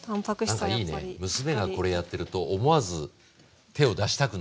なんかいいね娘がこれやってると思わず手を出したくなる。